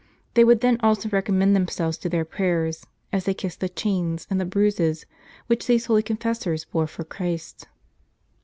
They would then also recommend themselves to their prayers, as they kissed the chains and the bruises, which these holy confessors bore for Christ.